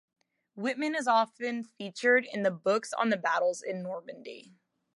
Wittmann is often featured in the books on the battles in Normandy.